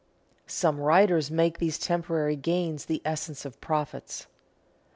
Some writers make these temporary gains the essence of profits.